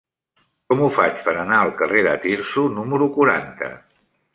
Com ho faig per anar al carrer de Tirso número quaranta?